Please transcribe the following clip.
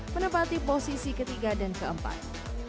menempati posisi ketiga dan keempat